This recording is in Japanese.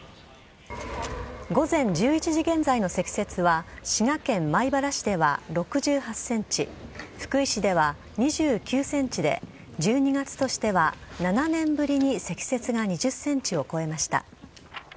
午前１１時現在の積雪は、滋賀県米原市では６８センチ、福井市では２９センチで、１２月としては７年ぶりに積雪が２０センチを超えました。